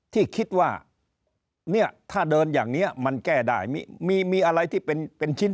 ที่คิดว่าเนี่ยถ้าเดินอย่างนี้มันแก้ได้มีอะไรที่เป็นชิ้น